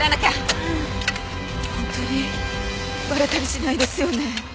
本当にバレたりしないですよね？